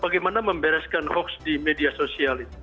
bagaimana membereskan hoax di media sosial itu